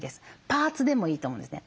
パーツでもいいと思うんですね。